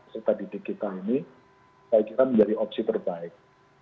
saya kira menjadi opsi terbaik